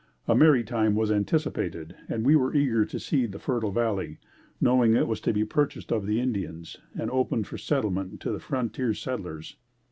A merry time was anticipated and we were eager to see the fertile valley, knowing it was to be purchased of the Indians and opened for settlement to the frontier settlers.